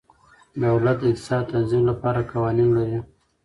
دولت د اقتصاد د تنظیم لپاره قوانین لري.